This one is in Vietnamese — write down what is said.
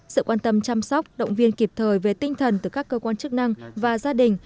sự quan tâm chăm sóc động viên kịp thời về tinh thần từ các cơ quan chức năng và gia đình